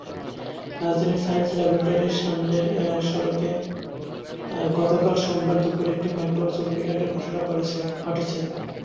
রাজধানীর সায়েন্স ল্যাবরেটরির সামনের সড়কে গতকাল সোমবার দুপুরে একটি মাইক্রোবাসে আগ্নিকাণ্ডের ঘটনা ঘটেছে।